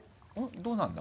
どうなんだ？